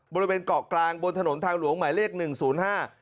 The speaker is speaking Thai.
บริเวณเกาะกลางบนถนนทางหลวงหมายเลขหนึ่งศูนย์ห้า